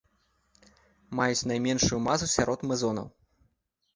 Маюць найменшую масу сярод мезонаў.